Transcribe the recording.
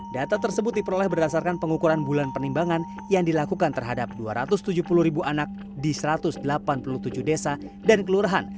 data tersebut diperoleh berdasarkan pengukuran bulan penimbangan yang dilakukan terhadap dua ratus tujuh puluh ribu anak di satu ratus delapan puluh tujuh desa dan kelurahan